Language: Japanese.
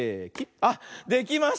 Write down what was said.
あっできました。